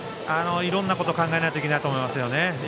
いろいろなことを考えないといけないと思います。